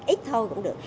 ít thôi cũng được